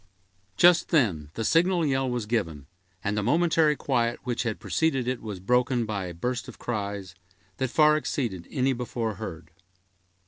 Just then the signal yell was given, and the momentary quiet which had preceded it was broken by a burst of cries, that far exceeded any before heard.